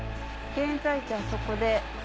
現在地あそこで。